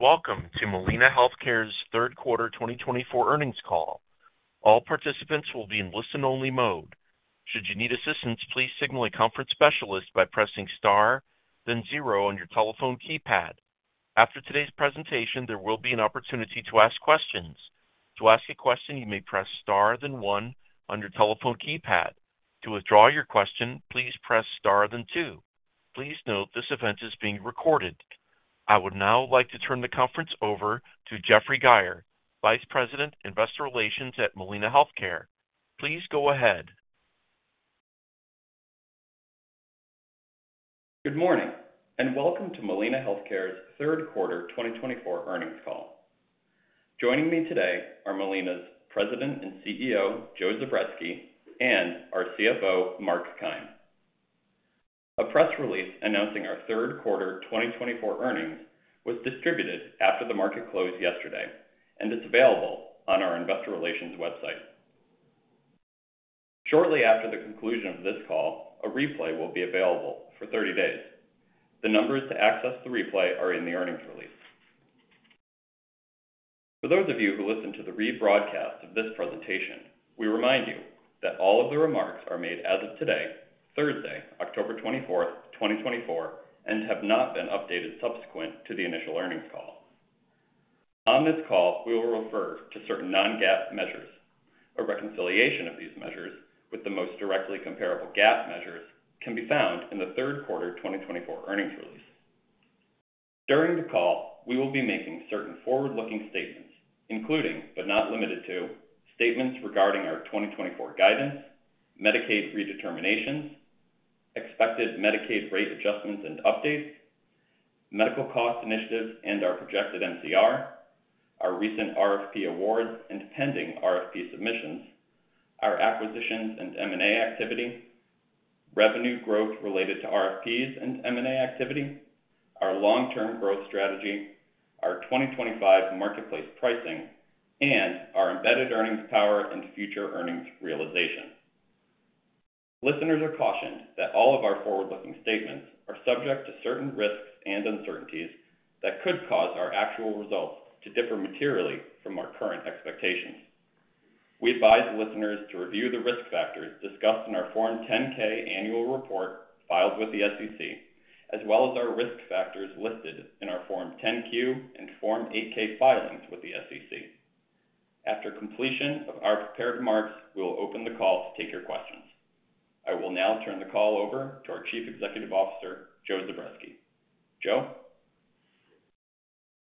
Welcome to Molina Healthcare's third quarter twenty twenty-four earnings call. All participants will be in listen-only mode. Should you need assistance, please signal a conference specialist by pressing Star, then zero on your telephone keypad. After today's presentation, there will be an opportunity to ask questions. To ask a question, you may press Star, then one on your telephone keypad. To withdraw your question, please press Star, then two. Please note, this event is being recorded. I would now like to turn the conference over to Jeffrey Geyer, Vice President, Investor Relations at Molina Healthcare. Please go ahead. Good morning, and welcome to Molina Healthcare's third quarter twenty twenty-four earnings call. Joining me today are Molina's President and CEO, Joe Zubretsky, and our CFO, Mark Keim. A press release announcing our third quarter twenty twenty-four earnings was distributed after the market closed yesterday, and it's available on our investor relations website. Shortly after the conclusion of this call, a replay will be available for thirty days. The numbers to access the replay are in the earnings release. For those of you who listen to the rebroadcast of this presentation, we remind you that all of the remarks are made as of today, Thursday, October twenty-fourth, twenty twenty-four, and have not been updated subsequent to the initial earnings call. On this call, we will refer to certain non-GAAP measures. A reconciliation of these measures with the most directly comparable GAAP measures can be found in the third quarter twenty twenty-four earnings release. During the call, we will be making certain forward-looking statements, including, but not limited to, statements regarding our twenty twenty-four guidance, Medicaid redeterminations, expected Medicaid rate adjustments and updates, medical cost initiatives, and our projected MCR, our recent RFP awards and pending RFP submissions, our acquisitions and M&A activity, revenue growth related to RFPs and M&A activity, our long-term growth strategy, our twenty twenty-five Marketplace pricing, and our embedded earnings power and future earnings realization. Listeners are cautioned that all of our forward-looking statements are subject to certain risks and uncertainties that could cause our actual results to differ materially from our current expectations. We advise listeners to review the risk factors discussed in our Form 10-K annual report filed with the SEC, as well as our risk factors listed in our Form 10-Q and Form 8-K filings with the SEC. After completion of our prepared remarks, we will open the call to take your questions. I will now turn the call over to our Chief Executive Officer, Joe Zubretsky. Joe?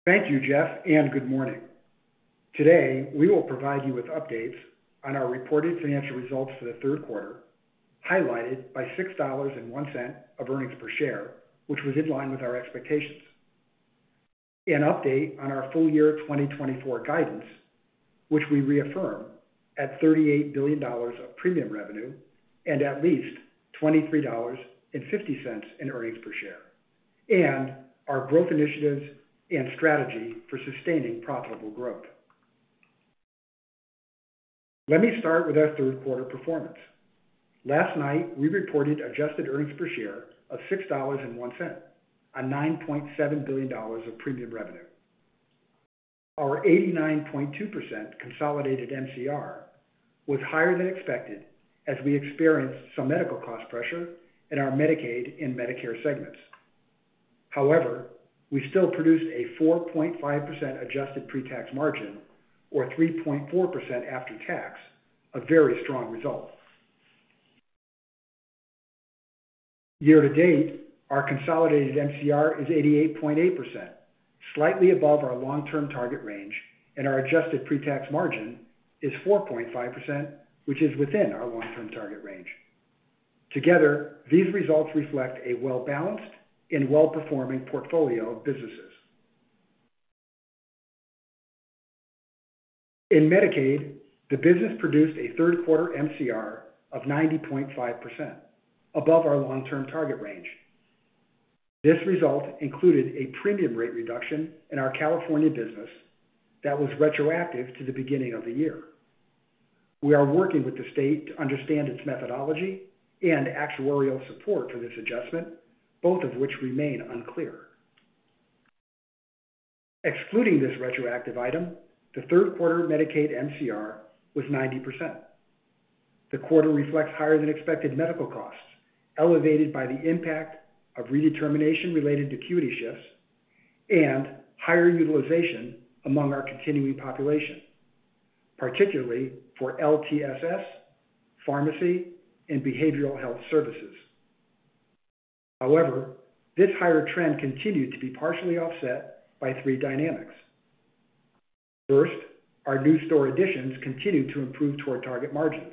Thank you, Jeff, and good morning. Today, we will provide you with updates on our reported financial results for the third quarter, highlighted by $6.01 of earnings per share, which was in line with our expectations. An update on our full year 2024 guidance, which we reaffirm at $38 billion of premium revenue and at least $23.50 in earnings per share, and our growth initiatives and strategy for sustaining profitable growth. Let me start with our third quarter performance. Last night, we reported adjusted earnings per share of $6.01 on $9.7 billion of premium revenue. Our 89.2% consolidated MCR was higher than expected, as we experienced some medical cost pressure in our Medicaid and Medicare segments. However, we still produced a 4.5% adjusted pre-tax margin, or 3.4% after tax, a very strong result. Year to date, our consolidated MCR is 88.8%, slightly above our long-term target range, and our adjusted pre-tax margin is 4.5%, which is within our long-term target range. Together, these results reflect a well-balanced and well-performing portfolio of businesses. In Medicaid, the business produced a third quarter MCR of 90.5%, above our long-term target range. This result included a premium rate reduction in our California business that was retroactive to the beginning of the year. We are working with the state to understand its methodology and actuarial support for this adjustment, both of which remain unclear. Excluding this retroactive item, the third quarter Medicaid MCR was 90%. The quarter reflects higher than expected medical costs, elevated by the impact of redetermination related to acuity shifts and higher utilization among our continuing population, particularly for LTSS, pharmacy, and behavioral health services. However, this higher trend continued to be partially offset by three dynamics. First, our new store additions continued to improve toward target margins.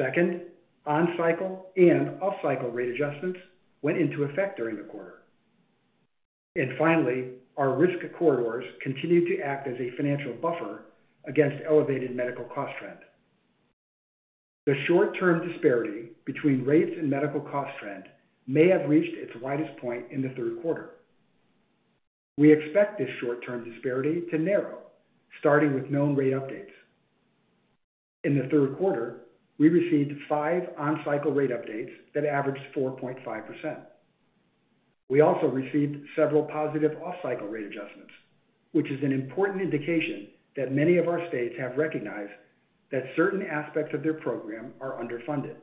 Second, on-cycle and off-cycle rate adjustments went into effect during the quarter. And finally, our risk corridors continued to act as a financial buffer against elevated medical cost trend. The short-term disparity between rates and medical cost trend may have reached its widest point in the third quarter. We expect this short-term disparity to narrow, starting with known rate updates. In the third quarter, we received five on-cycle rate updates that averaged 4.5%. We also received several positive off-cycle rate adjustments, which is an important indication that many of our states have recognized that certain aspects of their program are underfunded.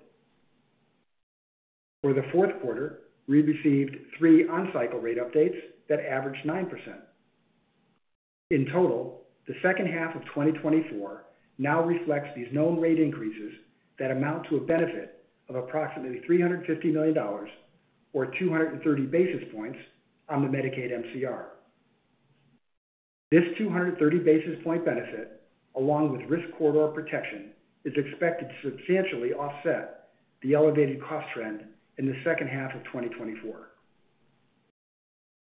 For the fourth quarter, we received three on-cycle rate updates that averaged 9%. In total, the second half of 2024 now reflects these known rate increases that amount to a benefit of approximately $350 million or 230 basis points on the Medicaid MCR. This 230 basis point benefit, along with risk corridor protection, is expected to substantially offset the elevated cost trend in the second half of 2024.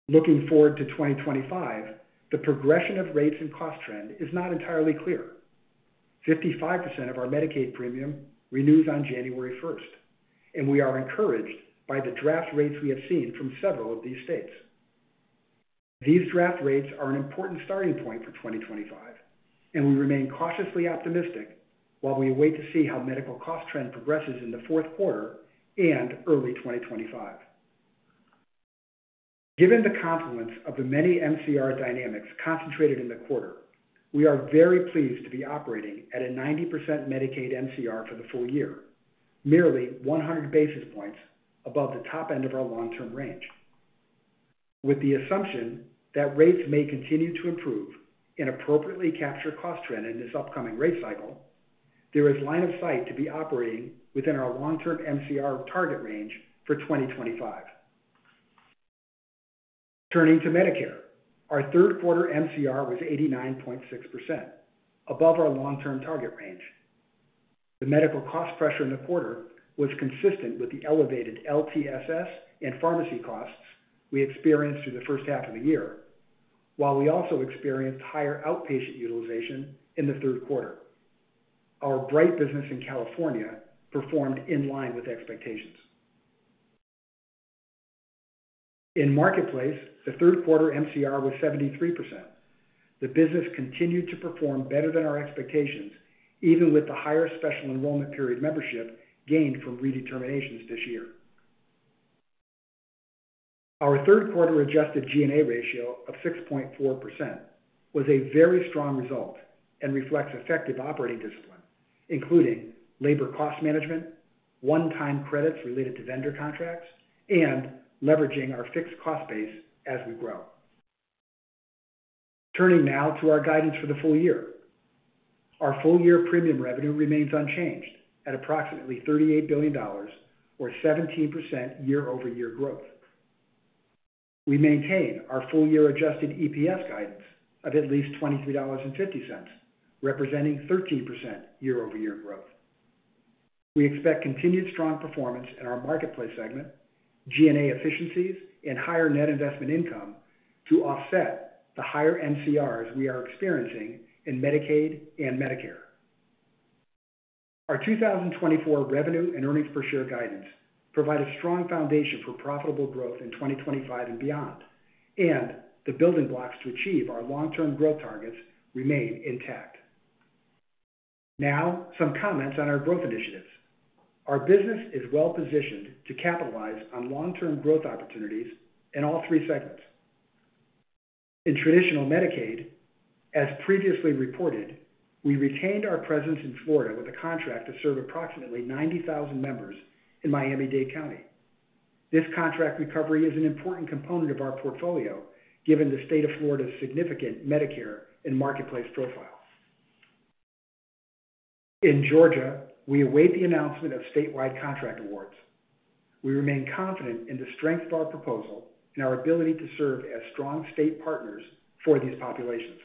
Looking forward to 2025, the progression of rates and cost trend is not entirely clear. 55% of our Medicaid premium renews on January first, and we are encouraged by the draft rates we have seen from several of these states. These draft rates are an important starting point for twenty twenty-five, and we remain cautiously optimistic while we wait to see how medical cost trend progresses in the fourth quarter and early twenty twenty-five. Given the confluence of the many MCR dynamics concentrated in the quarter, we are very pleased to be operating at a 90% Medicaid MCR for the full year, merely 100 basis points above the top end of our long-term range. With the assumption that rates may continue to improve and appropriately capture cost trend in this upcoming rate cycle, there is line of sight to be operating within our long-term MCR target range for twenty twenty-five. Turning to Medicare, our third quarter MCR was 89.6%, above our long-term target range. The medical cost pressure in the quarter was consistent with the elevated LTSS and pharmacy costs we experienced through the first half of the year, while we also experienced higher outpatient utilization in the third quarter. Our Bright business in California performed in line with expectations. In Marketplace, the third quarter MCR was 73%. The business continued to perform better than our expectations, even with the higher special enrollment period membership gained from redeterminations this year. Our third quarter adjusted G&A ratio of 6.4% was a very strong result and reflects effective operating discipline, including labor cost management, one-time credits related to vendor contracts, and leveraging our fixed cost base as we grow. Turning now to our guidance for the full year. Our full year premium revenue remains unchanged at approximately $38 billion or 17% year-over-year growth. We maintain our full year adjusted EPS guidance of at least $23.50, representing 13% year-over-year growth. We expect continued strong performance in our Marketplace segment, G&A efficiencies and higher net investment income to offset the higher MCRs we are experiencing in Medicaid and Medicare. Our 2024 revenue and earnings per share guidance provide a strong foundation for profitable growth in 2025 and beyond, and the building blocks to achieve our long-term growth targets remain intact. Now, some comments on our growth initiatives. Our business is well positioned to capitalize on long-term growth opportunities in all three segments. In traditional Medicaid, as previously reported, we retained our presence in Florida with a contract to serve approximately 90,000 members in Miami-Dade County. This contract recovery is an important component of our portfolio, given the state of Florida's significant Medicare and Marketplace profile. In Georgia, we await the announcement of statewide contract awards. We remain confident in the strength of our proposal and our ability to serve as strong state partners for these populations.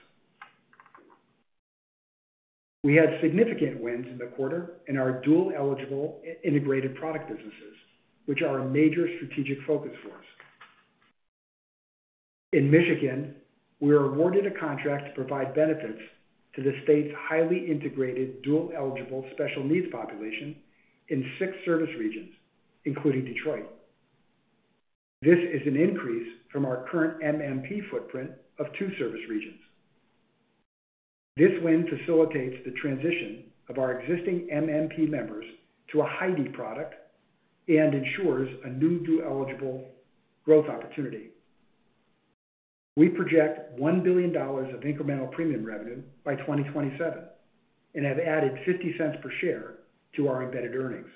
We had significant wins in the quarter in our dual eligible integrated product businesses, which are a major strategic focus for us. In Michigan, we were awarded a contract to provide benefits to the state's highly integrated dual-eligible special needs population in six service regions, including Detroit. This is an increase from our current MMP footprint of two service regions. This win facilitates the transition of our existing MMP members to a HIDE product and ensures a new dual-eligible growth opportunity. We project $1 billion of incremental premium revenue by 2027 and have added $0.50 per share to our embedded earnings.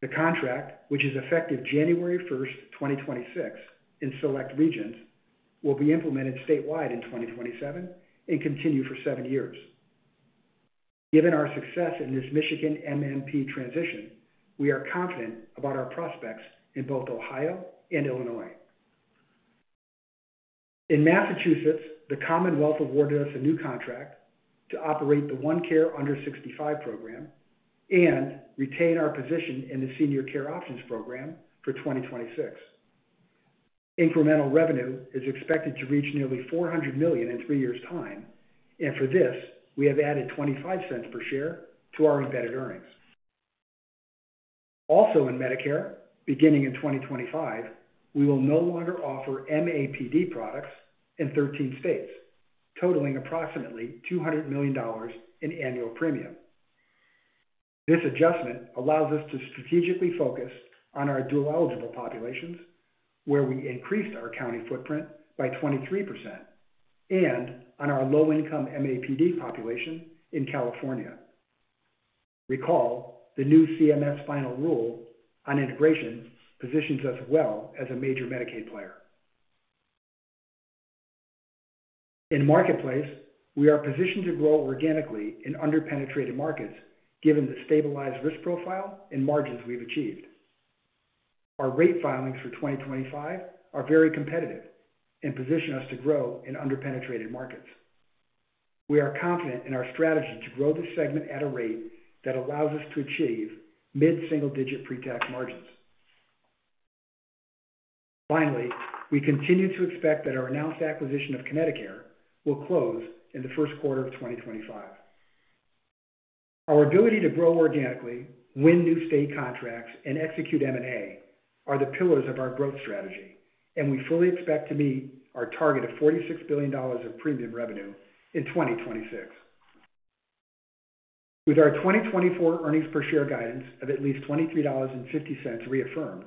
The contract, which is effective January 1, 2026, in select regions, will be implemented statewide in 2027 and continue for seven years. Given our success in this Michigan MMP transition, we are confident about our prospects in both Ohio and Illinois. In Massachusetts, the Commonwealth awarded us a new contract to operate the One Care under sixty-five program and retain our position in the Senior Care Options program for 2026. Incremental revenue is expected to reach nearly $400 million in three years' time, and for this, we have added $0.25 per share to our embedded earnings. Also in Medicare, beginning in 2025, we will no longer offer MAPD products in 13 states, totaling approximately $200 million in annual premium. This adjustment allows us to strategically focus on our dual-eligible populations, where we increased our county footprint by 23%, and on our low-income MAPD population in California. Recall, the new CMS final rule on integration positions us well as a major Medicaid player. In Marketplace, we are positioned to grow organically in underpenetrated markets, given the stabilized risk profile and margins we've achieved. Our rate filings for 2025 are very competitive and position us to grow in underpenetrated markets. We are confident in our strategy to grow this segment at a rate that allows us to achieve mid-single-digit pretax margins. Finally, we continue to expect that our announced acquisition of ConnectiCare will close in the first quarter of 2025. Our ability to grow organically, win new state contracts, and execute M&A are the pillars of our growth strategy, and we fully expect to meet our target of $46 billion of premium revenue in 2026. With our 2024 earnings per share guidance of at least $23.50 reaffirmed,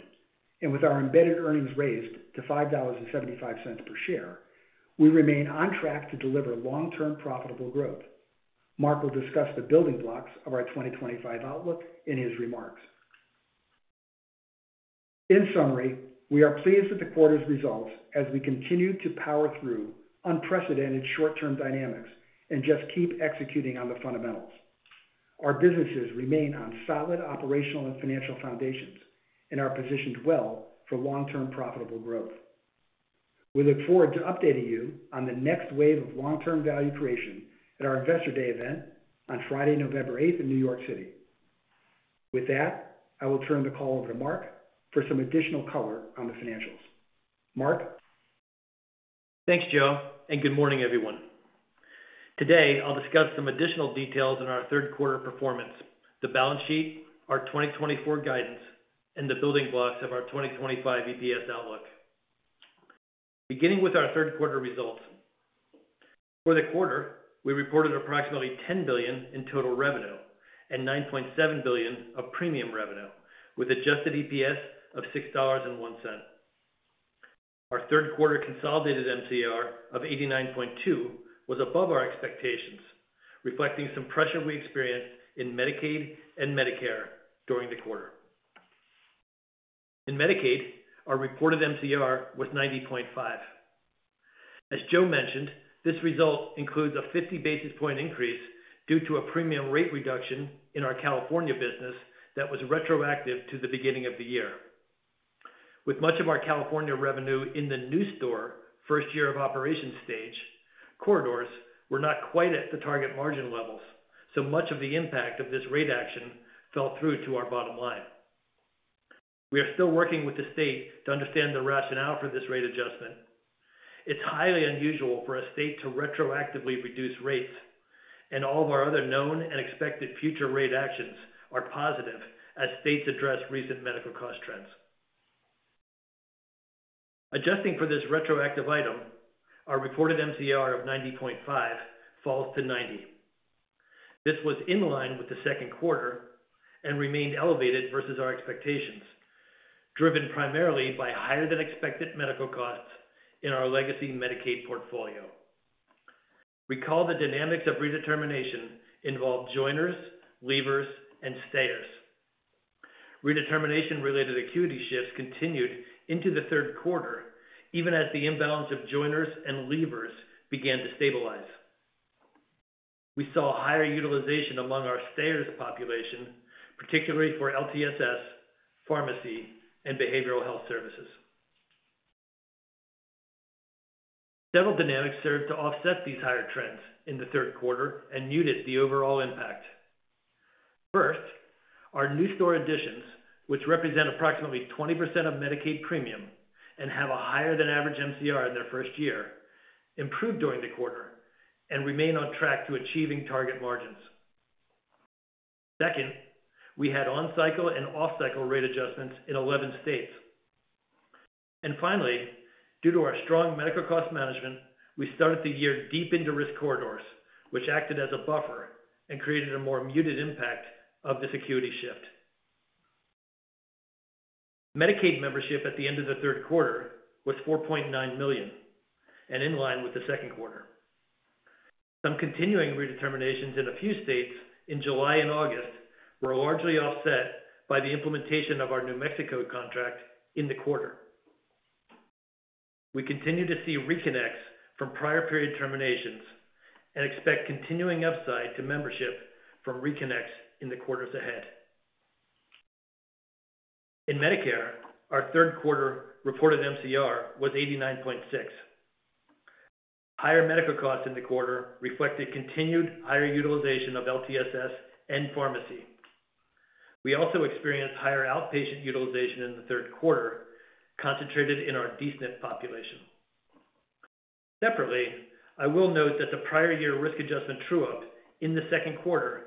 and with our embedded earnings raised to $5.75 per share, we remain on track to deliver long-term profitable growth. Mark will discuss the building blocks of our 2025 outlook in his remarks. In summary, we are pleased with the quarter's results as we continue to power through unprecedented short-term dynamics and just keep executing on the fundamentals. Our businesses remain on solid operational and financial foundations and are positioned well for long-term profitable growth. We look forward to updating you on the next wave of long-term value creation at our Investor Day event on Friday, November eighth, in New York City. With that, I will turn the call over to Mark for some additional color on the financials. Mark? Thanks, Joe, and good morning, everyone. Today, I'll discuss some additional details on our third quarter performance, the balance sheet, our 2024 guidance, and the building blocks of our 2025 EPS outlook. Beginning with our third quarter results. For the quarter, we reported approximately $10 billion in total revenue and $9.7 billion of premium revenue, with adjusted EPS of $6.01. Our third quarter consolidated MCR of 89.2% was above our expectations, reflecting some pressure we experienced in Medicaid and Medicare during the quarter. In Medicaid, our reported MCR was 90.5%. As Joe mentioned, this result includes a 50 basis points increase due to a premium rate reduction in our California business that was retroactive to the beginning of the year. With much of our California revenue in the new store, first year of operation stage, corridors were not quite at the target margin levels, so much of the impact of this rate action fell through to our bottom line. We are still working with the state to understand the rationale for this rate adjustment. It's highly unusual for a state to retroactively reduce rates, and all of our other known and expected future rate actions are positive as states address recent medical cost trends. Adjusting for this retroactive item, our reported MCR of 90.5 falls to 90. This was in line with the second quarter and remained elevated versus our expectations, driven primarily by higher-than-expected medical costs in our legacy Medicaid portfolio. Recall the dynamics of redetermination involved joiners, leavers and stayers. Redetermination-related acuity shifts continued into the third quarter, even as the imbalance of joiners and leavers began to stabilize. We saw higher utilization among our stayers population, particularly for LTSS, pharmacy, and behavioral health services. Several dynamics served to offset these higher trends in the third quarter and muted the overall impact. First, our new state additions, which represent approximately 20% of Medicaid premium and have a higher-than-average MCR in their first year, improved during the quarter and remain on track to achieving target margins. Second, we had on-cycle and off-cycle rate adjustments in 11 states. And finally, due to our strong medical cost management, we started the year deep into risk corridors, which acted as a buffer and created a more muted impact of this acuity shift. Medicaid membership at the end of the third quarter was 4.9 million and in line with the second quarter. Some continuing redeterminations in a few states in July and August were largely offset by the implementation of our New Mexico contract in the quarter. We continue to see reconnects from prior period terminations and expect continuing upside to membership from reconnects in the quarters ahead. In Medicare, our third quarter reported MCR was 89.6%. Higher medical costs in the quarter reflected continued higher utilization of LTSS and pharmacy. We also experienced higher outpatient utilization in the third quarter, concentrated in our D-SNP population. Separately, I will note that the prior year risk adjustment true-up in the second quarter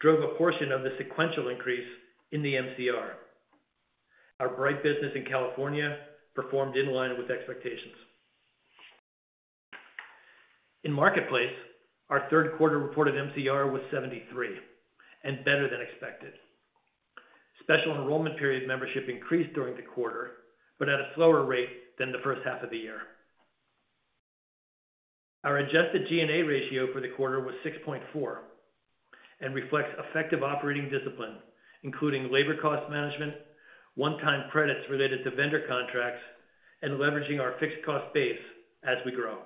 drove a portion of the sequential increase in the MCR. Our Bright business in California performed in line with expectations. In Marketplace, our third quarter reported MCR was 73% and better than expected. Special enrollment period membership increased during the quarter, but at a slower rate than the first half of the year. Our adjusted G&A ratio for the quarter was 6.4% and reflects effective operating discipline, including labor cost management, one-time credits related to vendor contracts, and leveraging our fixed cost base as we grow.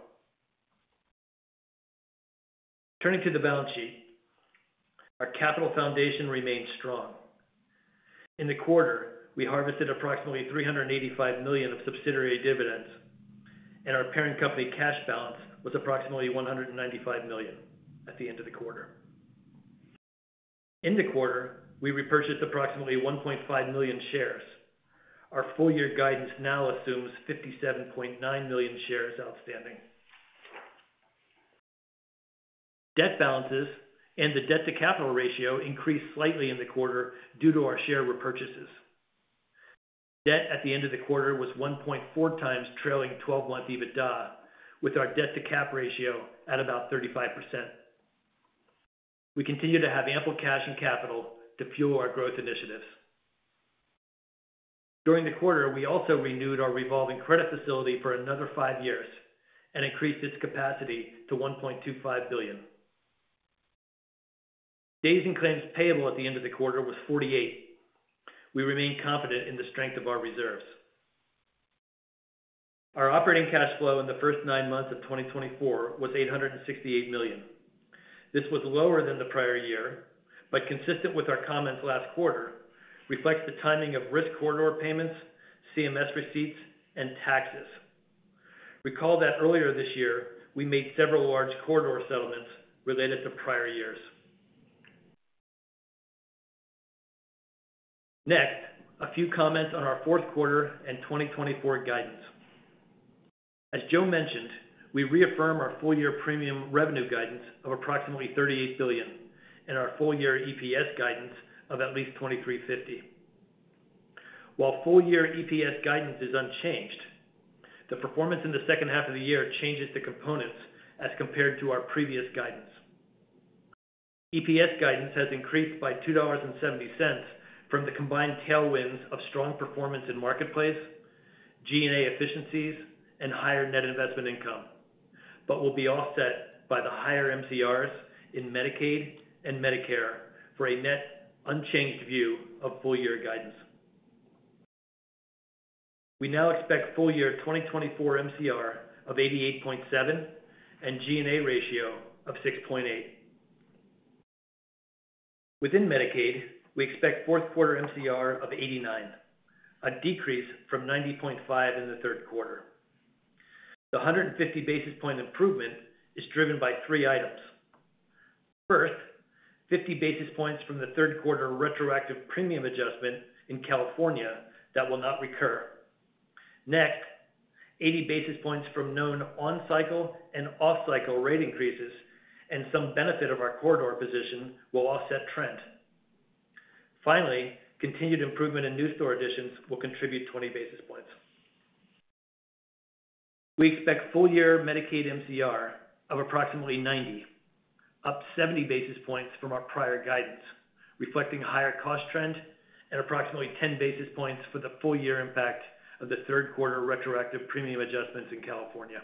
Turning to the balance sheet, our capital foundation remains strong. In the quarter, we harvested approximately $385 million of subsidiary dividends, and our parent company cash balance was approximately $195 million at the end of the quarter. In the quarter, we repurchased approximately 1.5 million shares. Our full-year guidance now assumes 57.9 million shares outstanding. Debt balances and the debt-to-capital ratio increased slightly in the quarter due to our share repurchases. Debt at the end of the quarter was 1.4 times trailing twelve-month EBITDA, with our debt-to-cap ratio at about 35%. We continue to have ample cash and capital to fuel our growth initiatives. During the quarter, we also renewed our revolving credit facility for another five years and increased its capacity to $1.25 billion. Days in claims payable at the end of the quarter was 48. We remain confident in the strength of our reserves. Our operating cash flow in the first nine months of 2024 was $868 million. This was lower than the prior year, but consistent with our comments last quarter, reflects the timing of risk corridor payments, CMS receipts, and taxes. Recall that earlier this year, we made several large corridor settlements related to prior years. Next, a few comments on our fourth quarter and 2024 guidance. As Joe mentioned, we reaffirm our full-year premium revenue guidance of approximately $38 billion and our full-year EPS guidance of at least $23.50. While full-year EPS guidance is unchanged, the performance in the second half of the year changes the components as compared to our previous guidance. EPS guidance has increased by $2.70 from the combined tailwinds of strong performance in Marketplace, G&A efficiencies, and higher net investment income, but will be offset by the higher MCRs in Medicaid and Medicare for a net unchanged view of full-year guidance. We now expect full-year 2024 MCR of 88.7% and G&A ratio of 6.8%. Within Medicaid, we expect fourth quarter MCR of 89%, a decrease from 90.5% in the third quarter. The 150 basis point improvement is driven by three items. First, 50 basis points from the third quarter retroactive premium adjustment in California that will not recur. Next, 80 basis points from known on-cycle and off-cycle rate increases and some benefit of our corridor position will offset trend. Finally, continued improvement in new state additions will contribute 20 basis points. We expect full-year Medicaid MCR of approximately 90, up 70 basis points from our prior guidance, reflecting higher cost trend and approximately 10 basis points for the full year impact of the third quarter retroactive premium adjustments in California.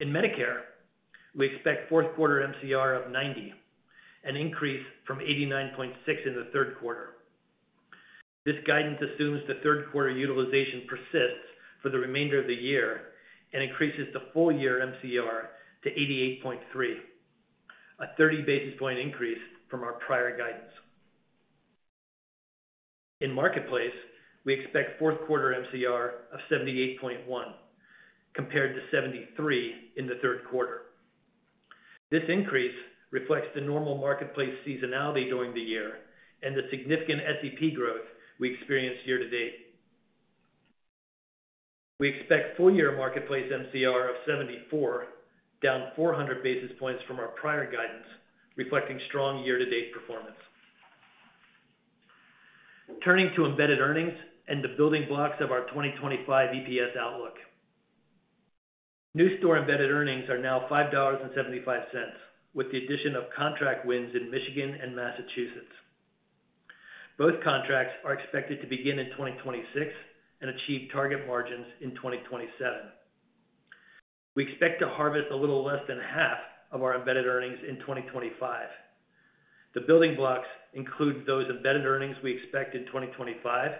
In Medicare, we expect fourth quarter MCR of 90, an increase from 89.6 in the third quarter. This guidance assumes the third quarter utilization persists for the remainder of the year and increases the full-year MCR to 88.3, a 30 basis point increase from our prior guidance. In Marketplace, we expect fourth quarter MCR of 78.1, compared to 73 in the third quarter. This increase reflects the normal Marketplace seasonality during the year and the significant SEP growth we experienced year to date. We expect full-year Marketplace MCR of 74, down 400 basis points from our prior guidance, reflecting strong year-to-date performance. Turning to embedded earnings and the building blocks of our 2025 EPS outlook. New store embedded earnings are now $5.75, with the addition of contract wins in Michigan and Massachusetts. Both contracts are expected to begin in 2026 and achieve target margins in 2027. We expect to harvest a little less than half of our embedded earnings in twenty twenty-five. The building blocks include those embedded earnings we expect in twenty twenty-five,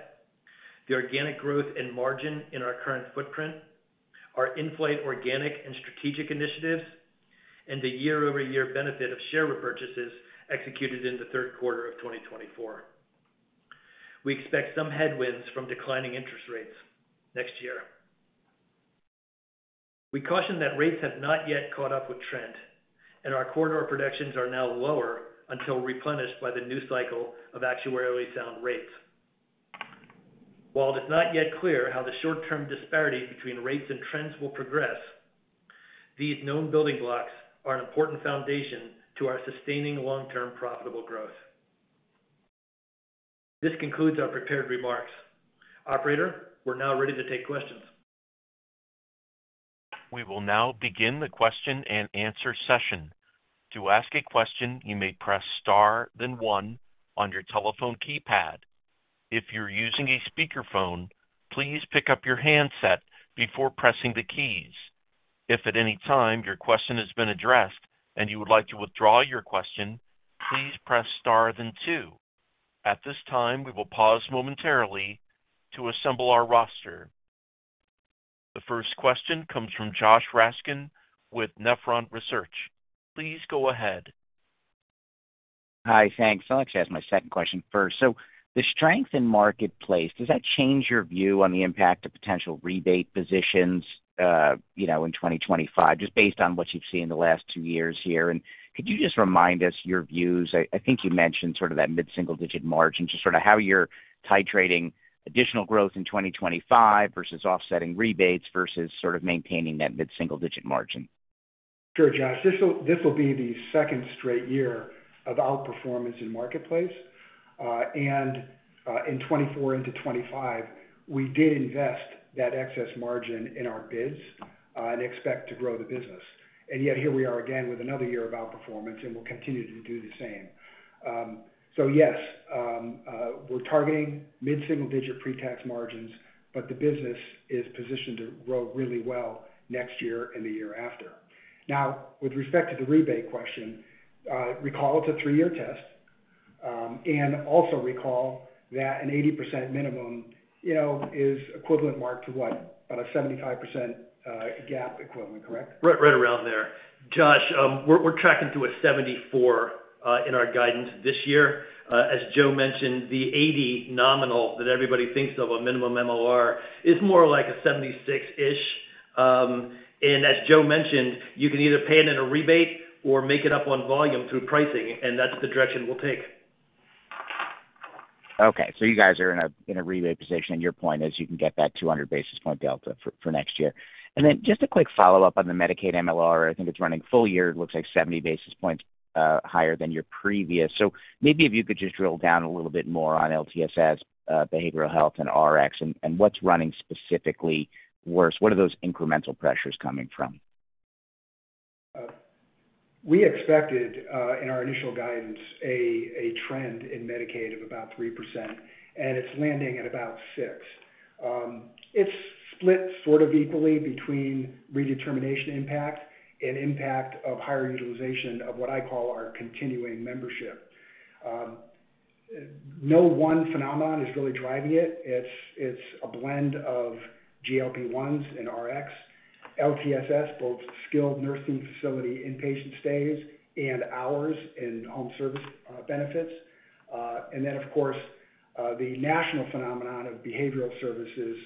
the organic growth and margin in our current footprint, our in-flight organic and strategic initiatives, and the year-over-year benefit of share repurchases executed in the third quarter of twenty twenty-four. We expect some headwinds from declining interest rates next year. We caution that rates have not yet caught up with trend, and our corridor projections are now lower until replenished by the new cycle of actuarially sound rates.... While it's not yet clear how the short-term disparity between rates and trends will progress, these known building blocks are an important foundation to our sustaining long-term profitable growth. This concludes our prepared remarks. Operator, we're now ready to take questions. We will now begin the question-and-answer session. To ask a question, you may press Star, then one on your telephone keypad. If you're using a speakerphone, please pick up your handset before pressing the keys. If at any time your question has been addressed and you would like to withdraw your question, please press Star, then two. At this time, we will pause momentarily to assemble our roster. The first question comes from Josh Raskin with Nephron Research. Please go ahead. Hi. Thanks. I'd like to ask my second question first. So the strength in Marketplace, does that change your view on the impact of potential rebate positions, you know, in twenty twenty-five, just based on what you've seen in the last two years here? And could you just remind us your views? I think you mentioned sort of that mid-single-digit margin, just sorta how you're titrating additional growth in twenty twenty-five versus offsetting rebates versus sort of maintaining that mid-single-digit margin. Sure, Josh. This will be the second straight year of outperformance in Marketplace. And in 2024 into 2025, we did invest that excess margin in our bids and expect to grow the business. And yet here we are again with another year of outperformance, and we'll continue to do the same. So yes, we're targeting mid-single-digit pretax margins, but the business is positioned to grow really well next year and the year after. Now, with respect to the rebate question, recall it's a three-year test, and also recall that an 80% minimum, you know, is equivalent, Mark, to what? About a 75% GAAP equivalent, correct? Right, right around there. Josh, we're tracking to a 74% in our guidance this year. As Joe mentioned, the 80% nominal that everybody thinks of, a minimum MLR, is more like a 76-ish%. And as Joe mentioned, you can either pay it in a rebate or make it up on volume through pricing, and that's the direction we'll take. Okay, so you guys are in a rebate position, and your point is you can get that two hundred basis point delta for next year. And then just a quick follow-up on the Medicaid MLR. I think it's running full year. It looks like seventy basis points higher than your previous. So maybe if you could just drill down a little bit more on LTSS, behavioral health, and Rx, and what's running specifically worse. What are those incremental pressures coming from? We expected, in our initial guidance, a trend in Medicaid of about 3%, and it's landing at about 6%. It's split sort of equally between redetermination impact and impact of higher utilization of what I call our continuing membership. No one phenomenon is really driving it. It's a blend of GLP-1s and Rx, LTSS, both skilled nursing facility, inpatient stays, and hours in home service benefits, and then, of course, the national phenomenon of behavioral services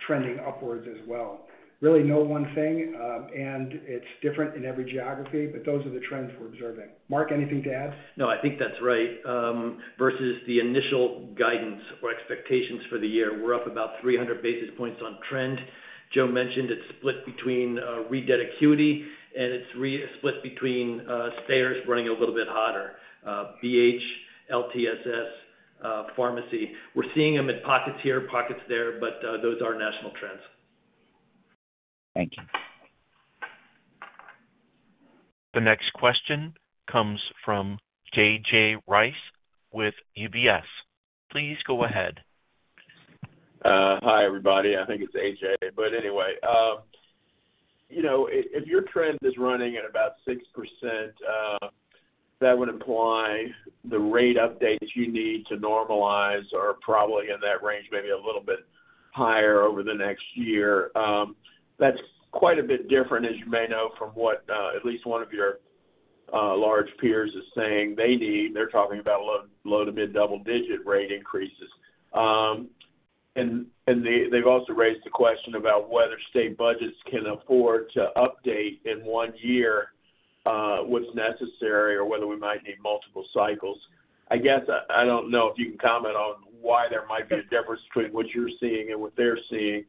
trending upwards as well. Really, no one thing, and it's different in every geography, but those are the trends we're observing. Mark, anything to add? No, I think that's right. Versus the initial guidance or expectations for the year, we're up about 300 basis points on trend. Joe mentioned it's split between readmit acuity, and it's split between stayers running a little bit hotter, BH, LTSS, pharmacy. We're seeing them in pockets here, pockets there, but those are national trends. Thank you. The next question comes from A.J. Rice with UBS. Please go ahead. Hi, everybody. I think it's A.J. But anyway, you know, if your trend is running at about 6%, that would imply the rate updates you need to normalize are probably in that range, maybe a little bit higher over the next year. That's quite a bit different, as you may know, from what at least one of your large peers is saying they need. They're talking about low- to mid-double-digit rate increases. And they, they've also raised the question about whether state budgets can afford to update in one year what's necessary or whether we might need multiple cycles. I guess, I don't know if you can comment on why there might be a difference between what you're seeing and what they're seeing,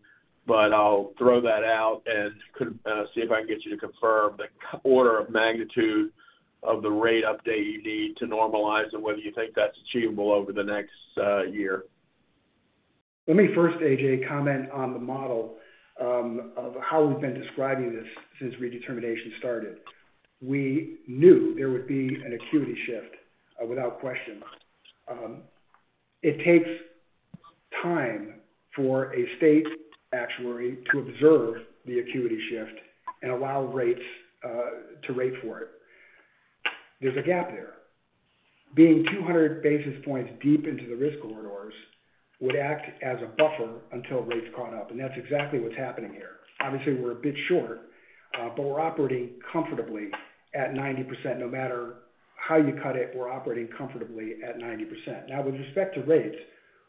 but I'll throw that out and could see if I can get you to confirm the order of magnitude of the rate update you need to normalize and whether you think that's achievable over the next year. Let me first, A.J., comment on the model of how we've been describing this since redetermination started. We knew there would be an acuity shift without question. It takes time for a state actuary to observe the acuity shift and allow rates to rate for it. There's a gap there. Being 200 basis points deep into the risk corridors would act as a buffer until rates caught up, and that's exactly what's happening here. Obviously, we're a bit short, but we're operating comfortably at 90%. No matter how you cut it, we're operating comfortably at 90%. Now, with respect to rates,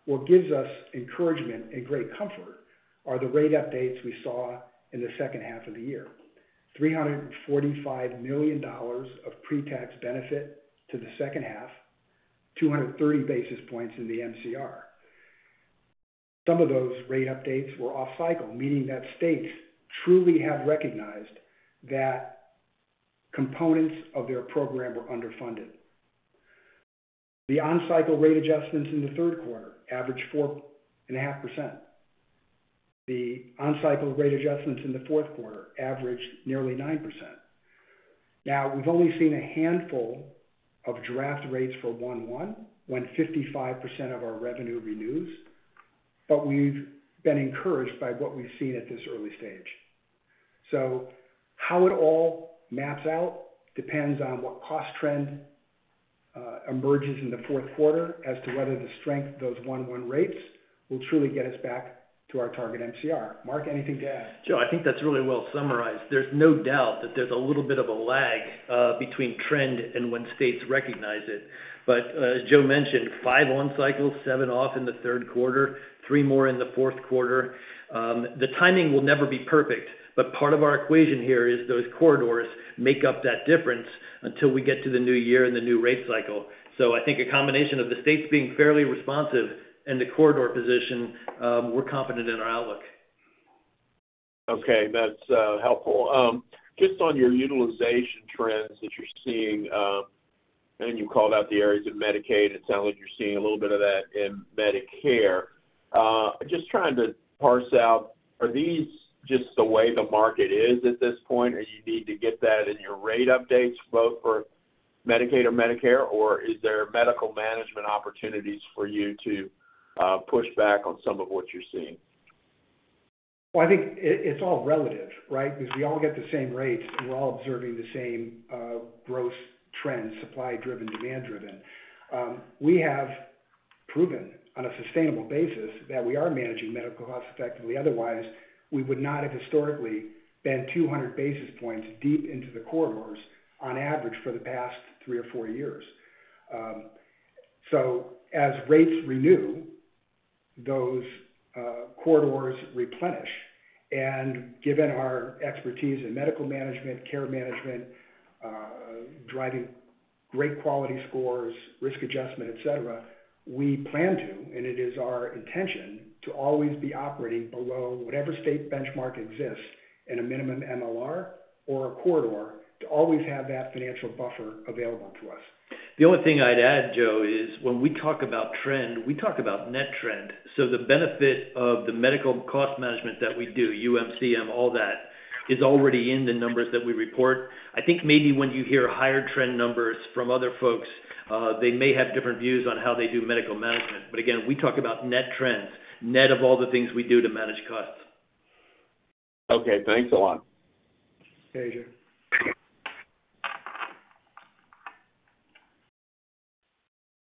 what gives us encouragement and great comfort are the rate updates we saw in the second half of the year... $345 million of pre-tax benefit to the second half, 230 basis points in the MCR. Some of those rate updates were off cycle, meaning that states truly have recognized that components of their program were underfunded. The on-cycle rate adjustments in the third quarter averaged 4.5%. The on-cycle rate adjustments in the fourth quarter averaged nearly 9%. Now, we've only seen a handful of draft rates for one-one, when 55% of our revenue renews, but we've been encouraged by what we've seen at this early stage. So how it all maps out depends on what cost trend emerges in the fourth quarter as to whether the strength of those one-one rates will truly get us back to our target MCR. Mark, anything to add? Joe, I think that's really well summarized. There's no doubt that there's a little bit of a lag between trend and when states recognize it. But, as Joe mentioned, five on cycles, seven off in the third quarter, three more in the fourth quarter. The timing will never be perfect, but part of our equation here is those corridors make up that difference until we get to the new year and the new rate cycle. So I think a combination of the states being fairly responsive and the corridor position, we're confident in our outlook. Okay, that's helpful. Just on your utilization trends that you're seeing, and you called out the areas of Medicaid, it sounds like you're seeing a little bit of that in Medicare. Just trying to parse out, are these just the way the market is at this point, or you need to get that in your rate updates, both for Medicaid or Medicare, or is there medical management opportunities for you to push back on some of what you're seeing? I think it's all relative, right? Because we all get the same rates, and we're all observing the same gross trends, supply-driven, demand-driven. We have proven on a sustainable basis that we are managing medical costs effectively. Otherwise, we would not have historically been two hundred basis points deep into the corridors on average for the past three or four years. So as rates renew, those corridors replenish. And given our expertise in medical management, care management, driving great quality scores, risk adjustment, et cetera, we plan to, and it is our intention, to always be operating below whatever state benchmark exists in a minimum MLR or a corridor, to always have that financial buffer available to us. The only thing I'd add, Joe, is when we talk about trend, we talk about net trend. So the benefit of the medical cost management that we do, UM/CM, all that, is already in the numbers that we report. I think maybe when you hear higher trend numbers from other folks, they may have different views on how they do medical management. But again, we talk about net trends, net of all the things we do to manage costs. Okay, thanks a lot. Thank you.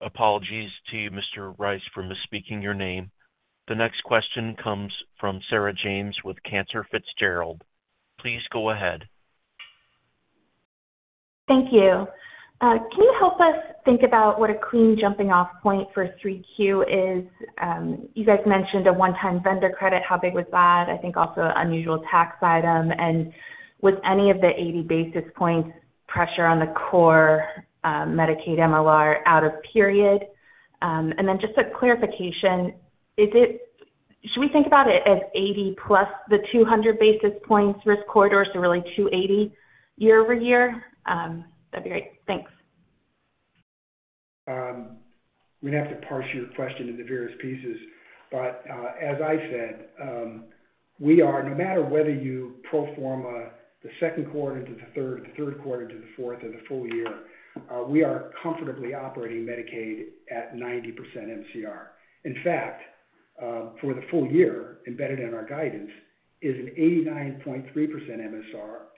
Apologies to you, Mr. Rice, for misspeaking your name. The next question comes from Sarah James with Cantor Fitzgerald. Please go ahead. Thank you. Can you help us think about what a clean jumping-off point for 3Q is? You guys mentioned a one-time vendor credit. How big was that? I think also an unusual tax item. And was any of the eighty basis points pressure on the core, Medicaid MLR out of period? And then just a clarification: should we think about it as eighty plus the two hundred basis points risk corridors, so really two eighty year-over-year? That'd be great. Thanks. I'm going to have to parse your question into various pieces. But, as I said, we are, no matter whether you pro forma the second quarter into the third, the third quarter to the fourth or the full year, we are comfortably operating Medicaid at 90% MCR. In fact, for the full year, embedded in our guidance, is an 89.3%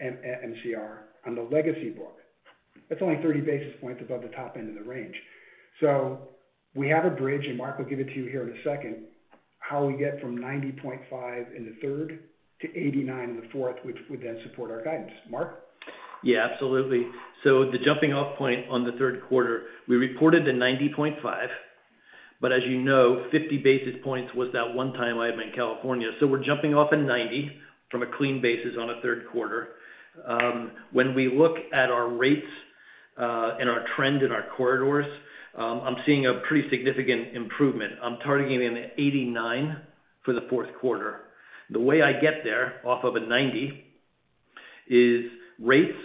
MCR on the legacy book. That's only 30 basis points above the top end of the range. So we have a bridge, and Mark will give it to you here in a second, Mark? Yeah, absolutely. So the jumping-off point on the third quarter, we reported the 90.5%, but as you know, 50 basis points was that one-time item in California. So we're jumping off at 90% from a clean basis on a third quarter. When we look at our rates, and our trend in our corridors, I'm seeing a pretty significant improvement. I'm targeting 89% for the fourth quarter. The way I get there off of a 90% is rates.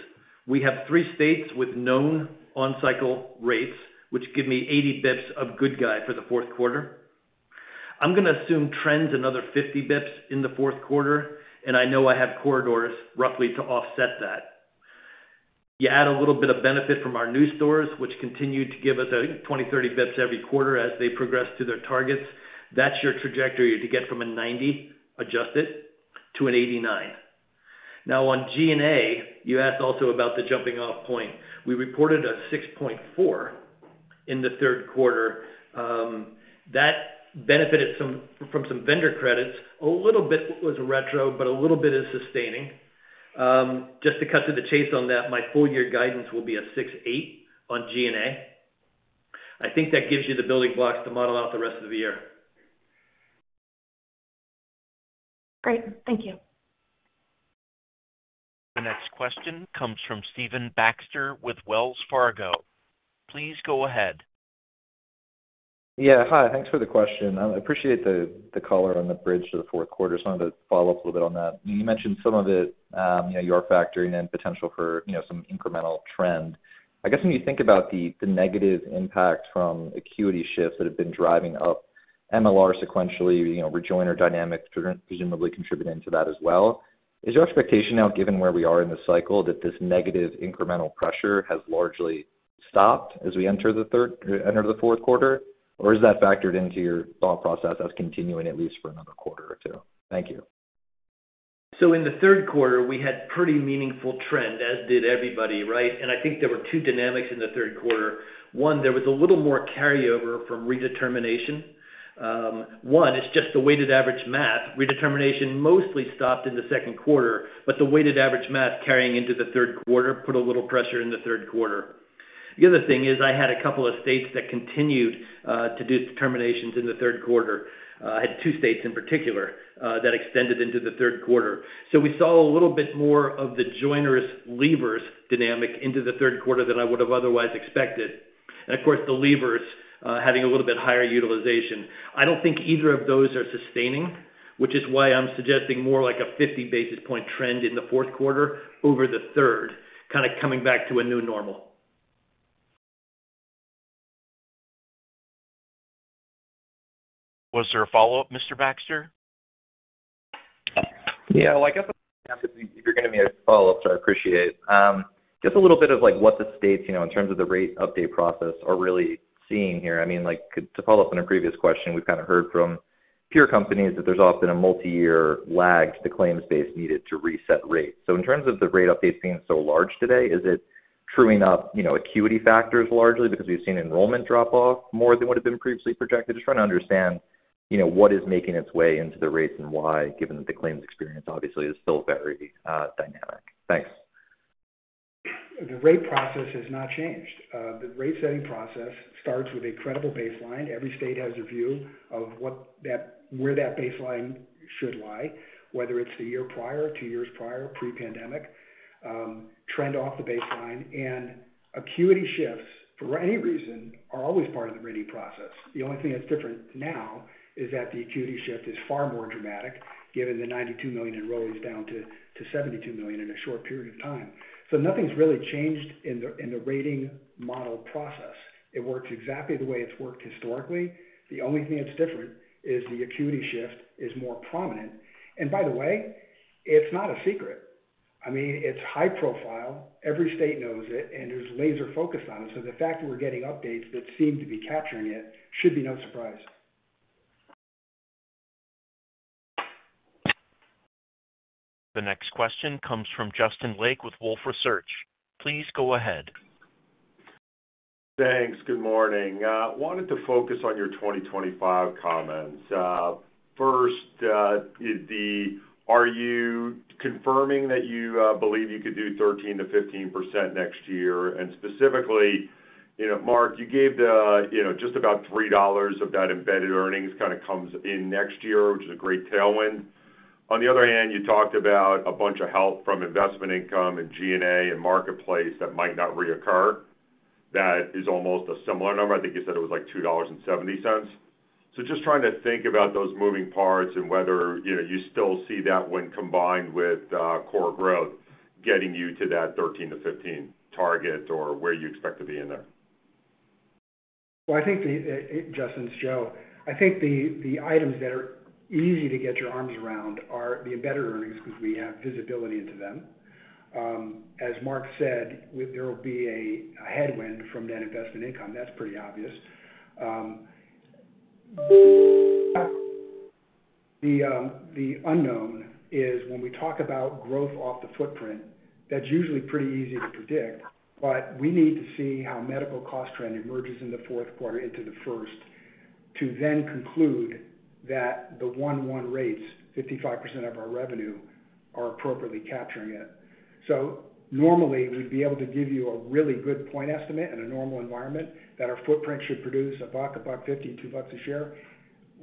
We have three states with known on-cycle rates, which give me 80 basis points of good guy for the fourth quarter. I'm going to assume trends another 50 basis points in the fourth quarter, and I know I have corridors roughly to offset that. You add a little bit of benefit from our new stores, which continue to give us, I think, twenty, thirty basis points every quarter as they progress to their targets. That's your trajectory to get from a ninety, adjusted, to an eighty-nine. Now on G&A, you asked also about the jumping-off point. We reported a six point four in the third quarter. That benefited from some vendor credits. A little bit was retro, but a little bit is sustaining. Just to cut to the chase on that, my full year guidance will be a six eight on G&A. I think that gives you the building blocks to model out the rest of the year. Great. Thank you. The next question comes from Stephen Baxter with Wells Fargo. Please go ahead. Yeah. Hi, thanks for the question. I appreciate the color on the bridge to the fourth quarter. Just wanted to follow up a little bit on that. You mentioned some of it, you know, you are factoring in potential for, you know, some incremental trend. I guess, when you think about the negative impact from acuity shifts that have been driving up MLR sequentially, you know, rejoiner dynamics presumably contributing to that as well, is your expectation now, given where we are in the cycle, that this negative incremental pressure has largely stopped as we enter the fourth quarter? Or is that factored into your thought process as continuing at least for another quarter or two? Thank you. So in the third quarter, we had pretty meaningful trend, as did everybody, right? And I think there were two dynamics in the third quarter. One, there was a little more carryover from redetermination. One, it's just the weighted average math. Redetermination mostly stopped in the second quarter, but the weighted average math carrying into the third quarter put a little pressure in the third quarter. The other thing is, I had a couple of states that continued to do determinations in the third quarter. I had two states in particular that extended into the third quarter. So we saw a little bit more of the joiners, leavers dynamic into the third quarter than I would have otherwise expected. And of course, the leavers having a little bit higher utilization. I don't think either of those are sustaining, which is why I'm suggesting more like a fifty basis point trend in the fourth quarter over the third, kind of coming back to a new normal. Was there a follow-up, Mr. Baxter? Yeah, well, I guess if you're giving me a follow-up, so I appreciate it. Just a little bit of, like, what the states, you know, in terms of the rate update process are really seeing here. I mean, like, to follow up on a previous question, we've kind of heard from peer companies that there's often a multi-year lag to the claims base needed to reset rates. So in terms of the rate updates being so large today, is it truing up, you know, acuity factors largely because we've seen enrollment drop off more than what had been previously projected? Just trying to understand, you know, what is making its way into the rates and why, given that the claims experience obviously is still very dynamic. Thanks. The rate process has not changed. The rate-setting process starts with a credible baseline. Every state has a view of what that, where that baseline should lie, whether it's the year prior, two years prior, pre-pandemic, trend off the baseline. Acuity shifts, for any reason, are always part of the rating process. The only thing that's different now is that the acuity shift is far more dramatic, given the 92 million enrollees down to 72 million in a short period of time. Nothing's really changed in the rating model process. It works exactly the way it's worked historically. The only thing that's different is the acuity shift is more prominent. By the way, it's not a secret. I mean, it's high profile. Every state knows it, and there's laser focus on it. So the fact that we're getting updates that seem to be capturing it should be no surprise. The next question comes from Justin Lake with Wolfe Research. Please go ahead. Thanks. Good morning. Wanted to focus on your 2025 comments. First, are you confirming that you believe you could do 13%-15% next year? And specifically, you know, Mark, you gave the, you know, just about $3 of that embedded earnings kind of comes in next year, which is a great tailwind. On the other hand, you talked about a bunch of help from investment income and G&A and Marketplace that might not reoccur. That is almost a similar number. I think you said it was, like, $2.70. So just trying to think about those moving parts and whether, you know, you still see that when combined with core growth, getting you to that 13%-15% target or where you expect to be in there. I think the items that are easy to get your arms around are the embedded earnings, because we have visibility into them. As Mark said, there will be a headwind from net investment income. That's pretty obvious. The unknown is when we talk about growth off the footprint. That's usually pretty easy to predict, but we need to see how medical cost trend emerges in the fourth quarter into the first, to then conclude that the 1/1 rates, 55% of our revenue, are appropriately capturing it. So normally, we'd be able to give you a really good point estimate in a normal environment, that our footprint should produce $1, $1.50, $2 a share.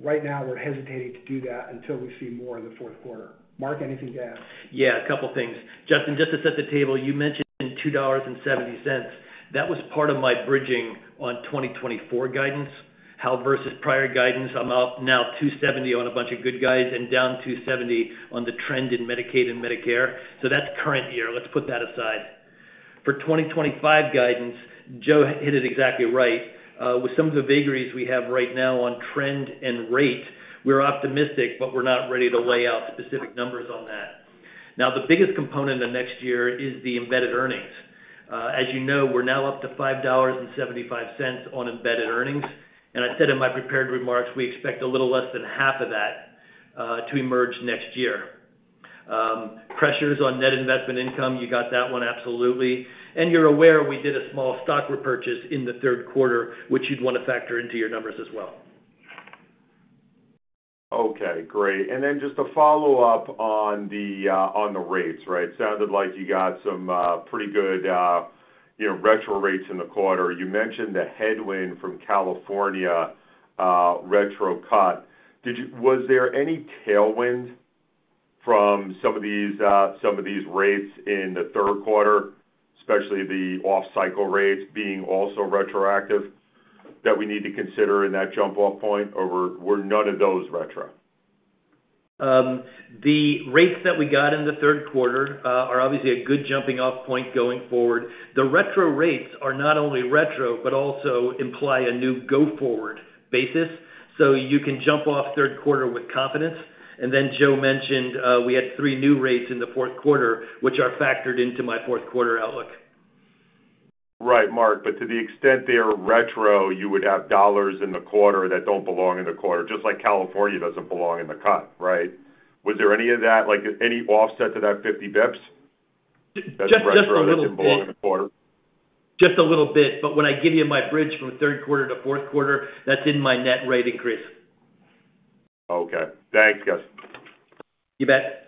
Right now, we're hesitating to do that until we see more in the fourth quarter. Mark, anything to add? Yeah, a couple of things. Justin, just to set the table, you mentioned $2.70. That was part of my bridging on 2024 guidance, how versus prior guidance, I'm out now $2.70 on a bunch of good guys and down $2.70 on the trend in Medicaid and Medicare. So that's current year. Let's put that aside. For 2025 guidance, Joe hit it exactly right. With some of the vagaries we have right now on trend and rate, we're optimistic, but we're not ready to lay out the specific numbers on that. Now, the biggest component of next year is the embedded earnings. As you know, we're now up to $5.75 on embedded earnings, and I said in my prepared remarks, we expect a little less than half of that to emerge next year. Pressures on net investment income, you got that one, absolutely. And you're aware we did a small stock repurchase in the third quarter, which you'd want to factor into your numbers as well. Okay, great. And then just to follow up on the rates, right? Sounded like you got some pretty good, you know, retro rates in the quarter. You mentioned the headwind from California retro cut. Was there any tailwind from some of these rates in the third quarter, especially the off-cycle rates being also retroactive, that we need to consider in that jump-off point, or were none of those retro? The rates that we got in the third quarter are obviously a good jumping off point going forward. The retro rates are not only retro, but also imply a new go-forward basis, so you can jump off third quarter with confidence. And then Joe mentioned, we had three new rates in the fourth quarter, which are factored into my fourth quarter outlook. Right, Mark, but to the extent they are retro, you would have dollars in the quarter that don't belong in the quarter, just like California doesn't belong in the cut, right? Was there any of that, like, any offset to that fifty basis points? Just a little bit. That's retro that didn't belong in the quarter. Just a little bit, but when I give you my bridge from third quarter to fourth quarter, that's in my net rate increase. Okay. Thanks, guys. You bet.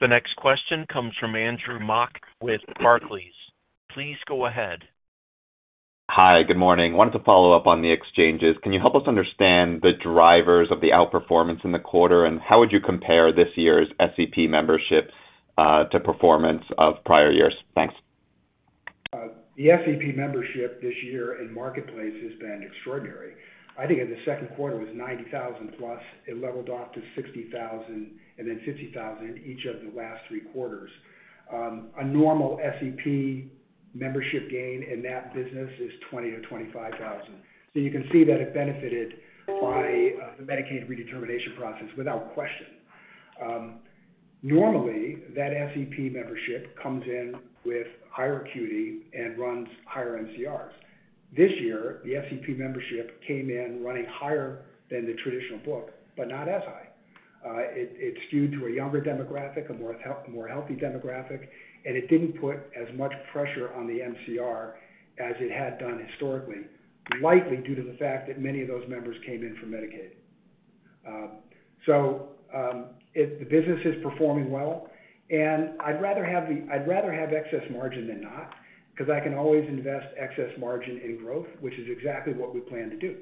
The next question comes from Andrew Mok with Barclays. Please go ahead. Hi, good morning. Wanted to follow up on the exchanges. Can you help us understand the drivers of the outperformance in the quarter, and how would you compare this year's SEP membership to performance of prior years? Thanks. The SEP membership this year in Marketplace has been extraordinary. I think in the second quarter, it was 90,000 plus. It leveled off to 60,000 and then 50,000 in each of the last three quarters. A normal SEP membership gain in that business is 20-25,000. So you can see that it benefited by the Medicaid redetermination process without question. Normally, that SEP membership comes in with higher acuity and runs higher MCRs. This year, the SEP membership came in running higher than the traditional book, but not as high. It’s skewed to a younger demographic, a more healthy demographic, and it didn't put as much pressure on the MCR as it had done historically, likely due to the fact that many of those members came in from Medicaid. The business is performing well, and I'd rather have excess margin than not, 'cause I can always invest excess margin in growth, which is exactly what we plan to do.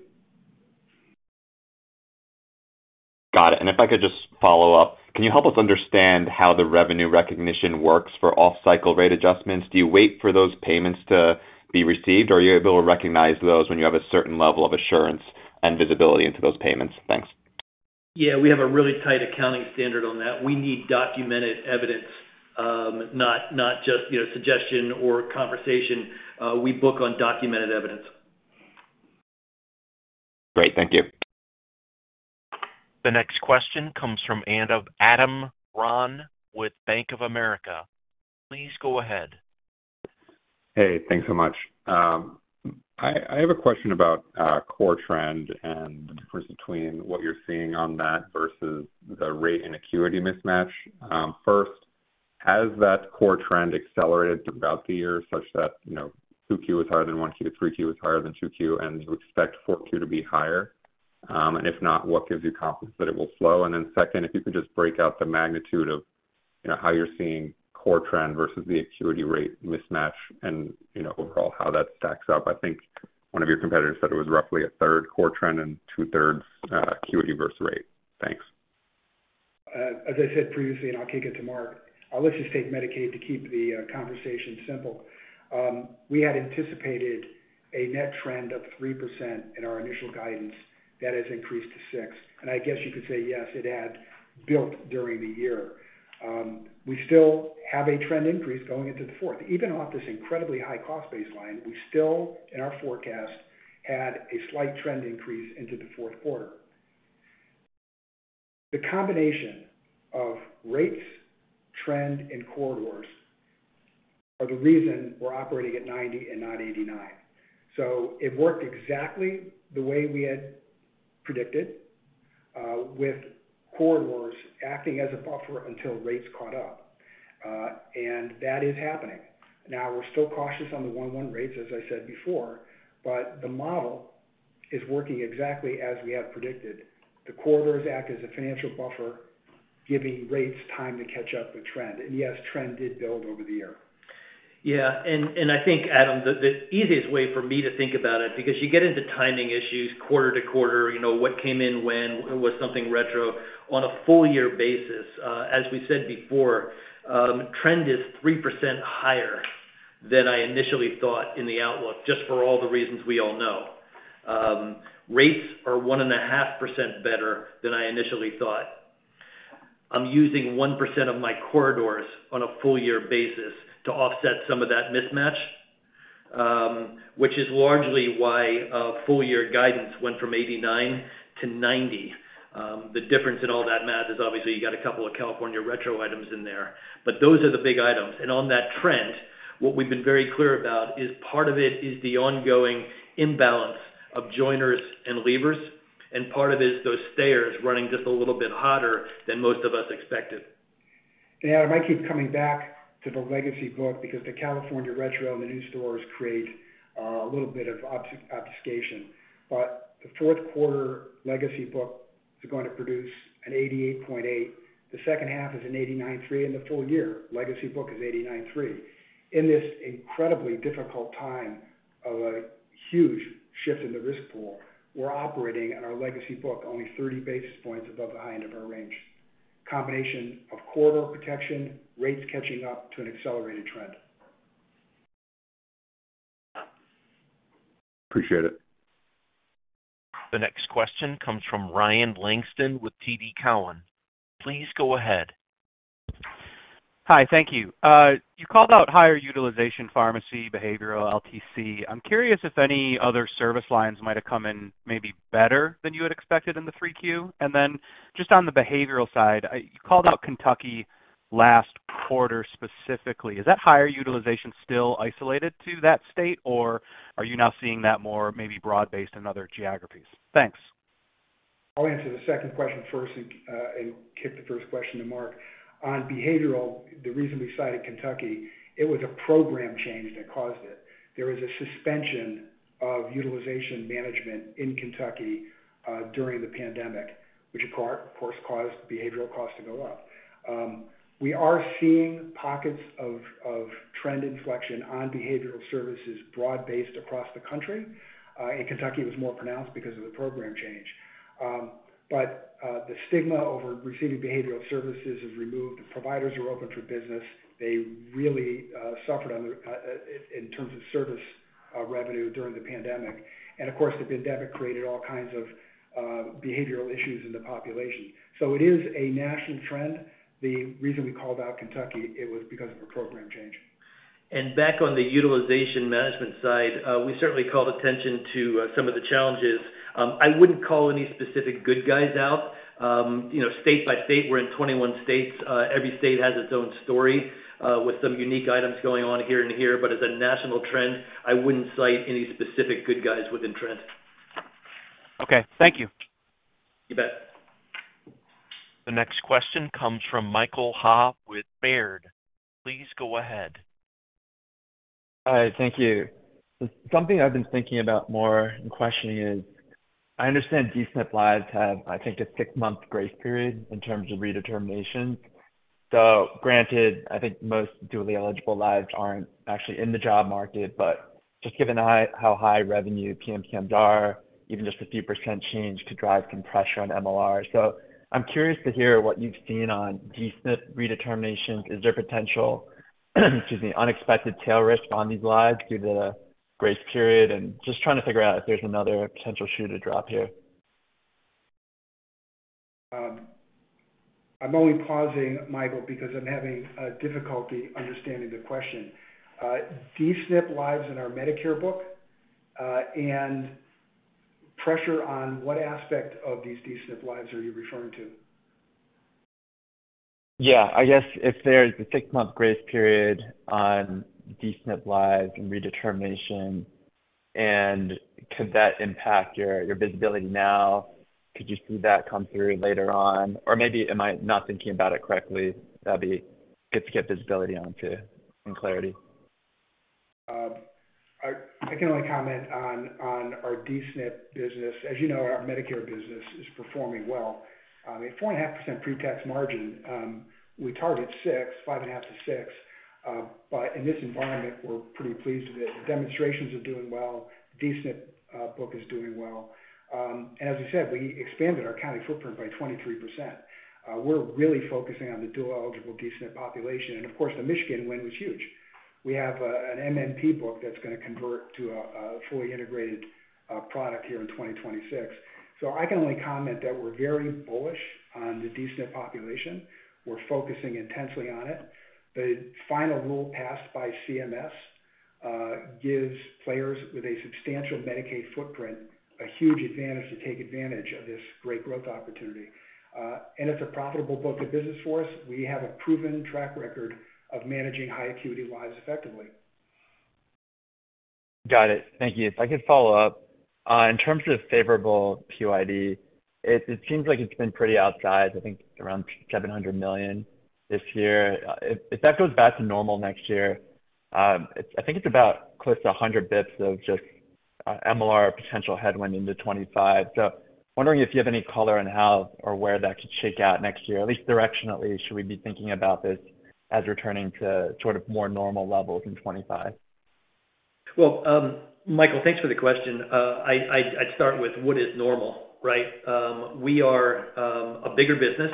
Got it. And if I could just follow up, can you help us understand how the revenue recognition works for off-cycle rate adjustments? Do you wait for those payments to be received, or are you able to recognize those when you have a certain level of assurance and visibility into those payments? Thanks. Yeah, we have a really tight accounting standard on that. We need documented evidence, not just, you know, suggestion or conversation. We book on documented evidence. Great. Thank you. The next question comes from Adam Ron with Bank of America. Please go ahead. Hey, thanks so much. I have a question about core trend and the difference between what you're seeing on that versus the rate and acuity mismatch. First, has that core trend accelerated throughout the year such that, you know, two Q was higher than one Q, three Q was higher than two Q, and you expect four Q to be higher? And if not, what gives you confidence that it will slow? And then second, if you could just break out the magnitude of, you know, how you're seeing core trend versus the acuity rate mismatch and, you know, overall how that stacks up. I think one of your competitors said it was roughly a third core trend and two-thirds acuity versus rate. Thanks. As I said previously, and I'll kick it to Mark, let's just take Medicaid to keep the conversation simple. We had anticipated a net trend of 3% in our initial guidance. That has increased to 6%, and I guess you could say, yes, it had built during the year. We still have a trend increase going into the fourth. Even off this incredibly high cost baseline, we still, in our forecast, had a slight trend increase into the fourth quarter. The combination of rates, trend, and corridors are the reason we're operating at 90% and not 89%. So it worked exactly the way we had predicted, with corridors acting as a buffer until rates caught up. And that is happening. Now, we're still cautious on the 1-1 rates, as I said before, but the model is working exactly as we have predicted. The corridors act as a financial buffer, giving rates time to catch up with trend. And yes, trend did build over the year. Yeah, and I think, Adam, the easiest way for me to think about it, because you get into timing issues quarter to quarter, you know, what came in when, was something retro? On a full year basis, as we said before, trend is 3% higher than I initially thought in the outlook, just for all the reasons we all know. Rates are 1.5% better than I initially thought. I'm using 1% of my corridors on a full year basis to offset some of that mismatch, which is largely why full year guidance went from eighty-nine to ninety. The difference in all that math is obviously you got a couple of California retro items in there, but those are the big items. On that trend, what we've been very clear about is part of it is the ongoing imbalance of joiners and leavers, and part of it is those stayers running just a little bit hotter than most of us expected. Adam, I might keep coming back to the legacy book because the California retro and the new stores create a little bit of obfuscation. But the fourth quarter legacy book is going to produce 88.8. The second half is 89.3, and the full year legacy book is 89.3. In this incredibly difficult time of a huge shift in the risk pool, we're operating on our legacy book only thirty basis points above the high end of our range. Combination of corridor protection, rates catching up to an accelerated trend. Appreciate it. The next question comes from Ryan Langston with TD Cowen. Please go ahead. Hi, thank you. You called out higher utilization pharmacy, behavioral LTC. I'm curious if any other service lines might have come in maybe better than you had expected in the 3Q? And then just on the behavioral side, you called out Kentucky last quarter specifically. Is that higher utilization still isolated to that state, or are you now seeing that more maybe broad-based in other geographies? Thanks. I'll answer the second question first and kick the first question to Mark. On behavioral, the reason we cited Kentucky, it was a program change that caused it. There was a suspension of utilization management in Kentucky during the pandemic, which, of course, caused behavioral costs to go up. We are seeing pockets of trend inflection on behavioral services broad-based across the country. And Kentucky was more pronounced because of the program change. But the stigma over receiving behavioral services is removed. The providers are open for business. They really suffered in terms of service revenue during the pandemic. And of course, the pandemic created all kinds of behavioral issues in the population. So it is a national trend. The reason we called out Kentucky, it was because of a program change. Back on the utilization management side, we certainly called attention to some of the challenges. I wouldn't call any specific good guys out. You know, state by state, we're in 21 states. Every state has its own story with some unique items going on here and there. As a national trend, I wouldn't cite any specific good guys within trends. Okay, thank you. You bet. The next question comes from Michael Ha with Baird. Please go ahead. Hi, thank you. Something I've been thinking about more and questioning is, I understand D-SNP lives have, I think, a six-month grace period in terms of redetermination. So granted, I think most dually eligible lives aren't actually in the job market, but just given how high revenue PMPM are, even just a few% change could drive compression on MLR. So I'm curious to hear what you've seen on D-SNP redeterminations. Is there potential, excuse me, unexpected tail risk on these lives due to the grace period, and just trying to figure out if there's another potential shoe to drop here. I'm only pausing, Michael, because I'm having difficulty understanding the question. D-SNP lives in our Medicare book, and pressure on what aspect of these D-SNP lives are you referring to? Yeah. I guess if there's a six-month grace period on D-SNP lives and redetermination, and could that impact your visibility now? Could you see that come through later on? Or maybe am I not thinking about it correctly? That'd be good to get visibility on, too, and clarity. I can only comment on our D-SNP business. As you know, our Medicare business is performing well. A 4.5% pre-tax margin, we target 6%, 5.5%-6%. But in this environment, we're pretty pleased with it. The demonstrations are doing well. D-SNP book is doing well. And as I said, we expanded our county footprint by 23%. We're really focusing on the dual eligible D-SNP population, and of course, the Michigan win was huge. We have an MMP book that's going to convert to a fully integrated product here in 2026. So I can only comment that we're very bullish on the D-SNP population. We're focusing intensely on it. The final rule passed by CMS gives players with a substantial Medicaid footprint a huge advantage to take advantage of this great growth opportunity. And it's a profitable book of business for us. We have a proven track record of managing high acuity lives effectively. Got it. Thank you. If I could follow up, in terms of favorable PYD, it seems like it's been pretty outsized, I think around seven hundred million this year. If that goes back to normal next year, it's, I think, about close to a hundred basis points of just MLR potential headwind into 2025. So wondering if you have any color on how or where that could shake out next year, at least directionally, should we be thinking about this as returning to sort of more normal levels in 2025? Well, Michael, thanks for the question. I'd start with what is normal, right? We are a bigger business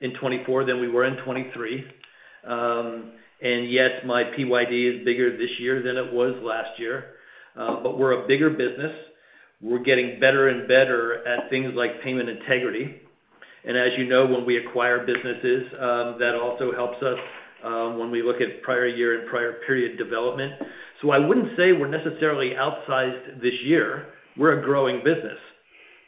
in 2024 than we were in 2023. And yes, my PYD is bigger this year than it was last year. But we're a bigger business. We're getting better and better at things like payment integrity. And as you know, when we acquire businesses, that also helps us when we look at prior year and prior period development. So I wouldn't say we're necessarily outsized this year. We're a growing business.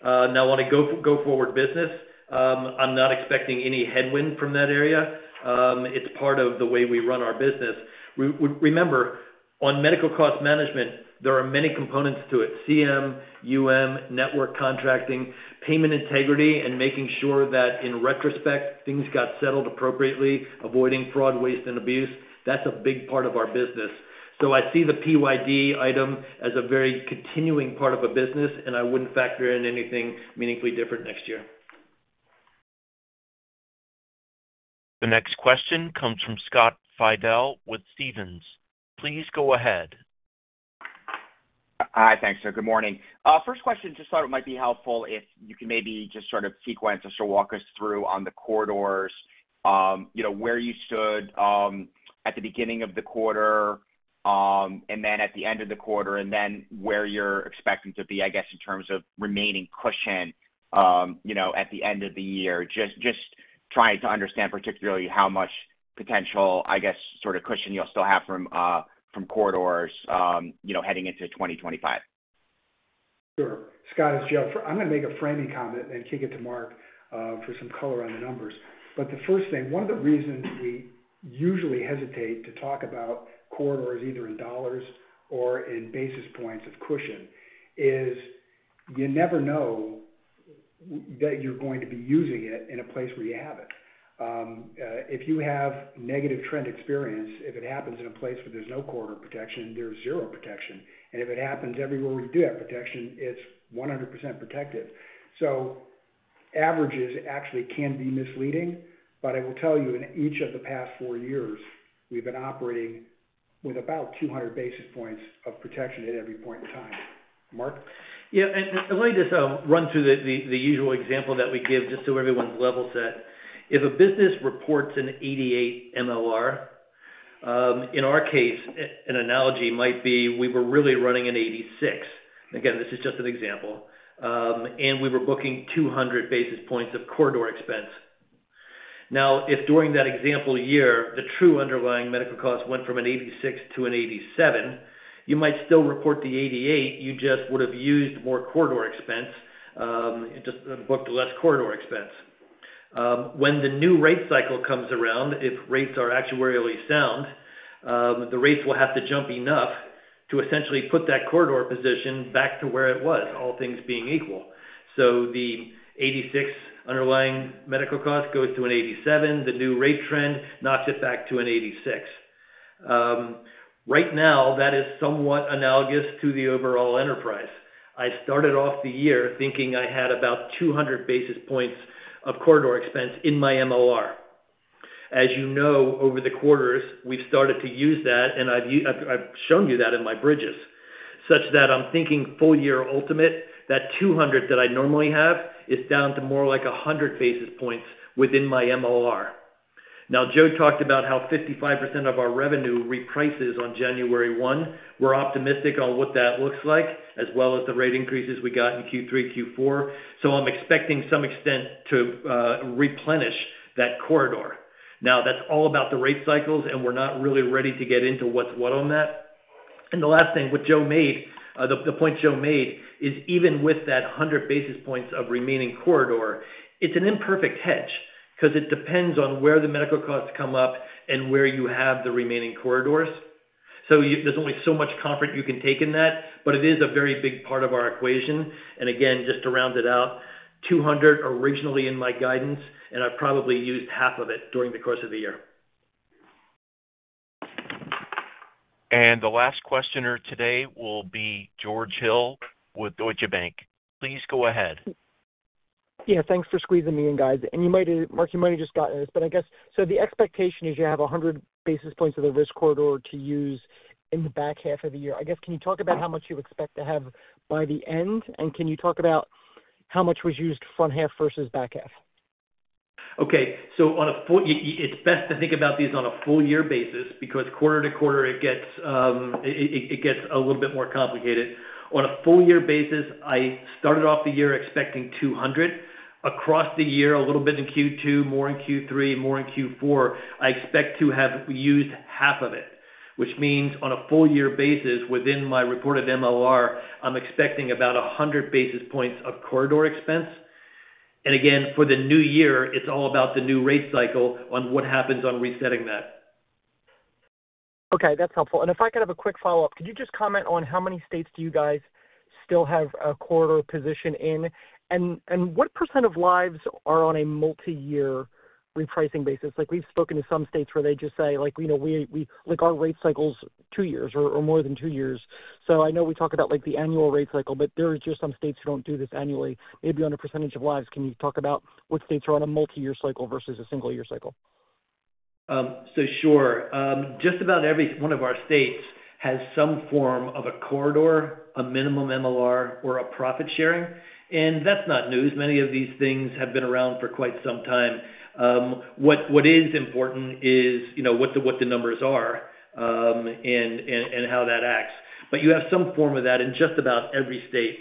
Now on a go-forward business, I'm not expecting any headwind from that area. It's part of the way we run our business. Remember, on medical cost management, there are many components to it: CM, UM, network contracting, payment integrity, and making sure that in retrospect, things got settled appropriately, avoiding fraud, waste, and abuse. That's a big part of our business. So I see the PYD item as a very continuing part of a business, and I wouldn't factor in anything meaningfully different next year. The next question comes from Scott Fidel with Stephens. Please go ahead. Hi, thanks, sir. Good morning. First question, just thought it might be helpful if you can maybe just sort of sequence or sort of walk us through on the corridors, you know, where you stood at the beginning of the quarter, and then at the end of the quarter, and then where you're expecting to be, I guess, in terms of remaining cushion, you know, at the end of the year. Just trying to understand particularly how much potential, I guess, sort of cushion you'll still have from, from corridors, you know, heading into 2025. Sure. Scott, it's Joe. I'm gonna make a framing comment and kick it to Mark, for some color on the numbers. But the first thing, one of the reasons we usually hesitate to talk about corridors, either in dollars or in basis points of cushion, is you never know that you're going to be using it in a place where you have it. If you have negative trend experience, if it happens in a place where there's no corridor protection, there's zero protection. And if it happens everywhere we do have protection, it's 100% protected. So averages actually can be misleading, but I will tell you, in each of the past four years, we've been operating with about 200 basis points of protection at every point in time. Mark? Yeah, and let me just run through the usual example that we give just so everyone's level set. If a business reports an 88% MLR, in our case, an analogy might be we were really running an 86%. Again, this is just an example. We were booking 200 basis points of corridor expense. Now, if during that example year, the true underlying medical costs went from an 86% to an 87%, you might still report the 88%, you just would have used more corridor expense, just booked less corridor expense. When the new rate cycle comes around, if rates are actuarially sound, the rates will have to jump enough to essentially put that corridor position back to where it was, all things being equal. So the 86 underlying medical costs goes to an 87, the new rate trend knocks it back to an 87. Right now, that is somewhat analogous to the overall enterprise. I started off the year thinking I had about 200 basis points of corridor expense in my MLR. As you know, over the quarters, we've started to use that, and I've shown you that in my bridges, such that I'm thinking full year ultimate, that 200 that I normally have is down to more like a 100 basis points within my MLR. Now, Joe talked about how 55% of our revenue reprices on January 1. We're optimistic on what that looks like, as well as the rate increases we got in Q3, Q4. So I'm expecting some extent to replenish that corridor. Now, that's all about the rate cycles, and we're not really ready to get into what's what on that. And the last thing, the point Joe made is even with that 100 basis points of remaining corridor, it's an imperfect hedge because it depends on where the medical costs come up and where you have the remaining corridors. So there's only so much comfort you can take in that, but it is a very big part of our equation. And again, just to round it out, 200 originally in my guidance, and I probably used half of it during the course of the year. The last questioner today will be George Hill with Deutsche Bank. Please go ahead. Yeah, thanks for squeezing me in, guys. And you might, Mark, you might have just gotten this, but I guess, so the expectation is you have a hundred basis points of the risk corridor to use in the back half of the year. I guess, can you talk about how much you expect to have by the end? And can you talk about how much was used front half versus back half? Okay, so on a full year basis, it's best to think about these on a full year basis, because quarter to quarter, it gets a little bit more complicated. On a full year basis, I started off the year expecting 200. Across the year, a little bit in Q2, more in Q3, more in Q4, I expect to have used half of it, which means on a full year basis within my reported MLR, I'm expecting about 100 basis points of corridor expense. And again, for the new year, it's all about the new rate cycle on what happens on resetting that. Okay, that's helpful. And if I could have a quick follow-up. Could you just comment on how many states do you guys still have a corridor position in? And what percent of lives are on a multi-year repricing basis? Like, we've spoken to some states where they just say, like, "We know we like, our rate cycle's two years or more than two years." So I know we talk about, like, the annual rate cycle, but there are just some states who don't do this annually, maybe on a percentage of lives. Can you talk about what states are on a multi-year cycle versus a single year cycle? So sure. Just about every one of our states has some form of a corridor, a minimum MLR, or a profit sharing, and that's not news. Many of these things have been around for quite some time. What is important is, you know, what the numbers are, and how that acts. But you have some form of that in just about every state.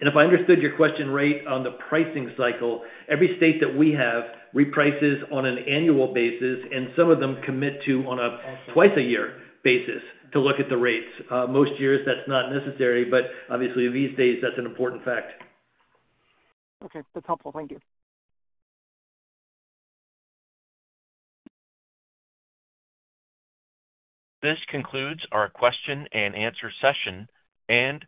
And if I understood your question right on the pricing cycle, every state that we have reprices on an annual basis, and some of them commit to on a twice-a-year basis to look at the rates. Most years that's not necessary, but obviously these days, that's an important fact. Okay. That's helpful. Thank you. This concludes our question-and-answer session and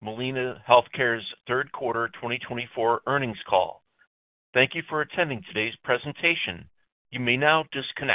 Molina Healthcare's third quarter 2024 earnings call. Thank you for attending today's presentation. You may now disconnect.